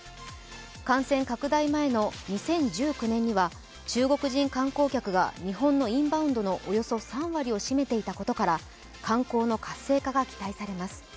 感染拡大前の２０１９年には中国人観光客が日本のインバウンドのおよそ３割を占めていたことから観光の活性化が期待されます。